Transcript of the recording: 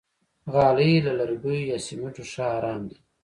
غالۍ له لرګیو یا سمنټو ښه آرام دي.